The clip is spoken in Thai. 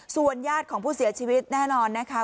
ส่วนญาติของผู้เสียชีวิตแน่นอนนะคะ